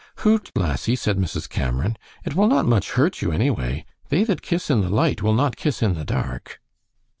"Hoot, lassie," said Mrs. Cameron; "it will not much hurt you, anyway. They that kiss in the light will not kiss in the dark."